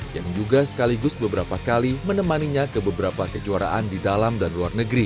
yang juga sekaligus beberapa kali menemaninya ke beberapa kejuaraan di dalam dan luar negeri